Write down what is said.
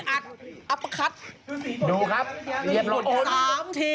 อัดอัดประคัตดูครับเรียบรวม๓ที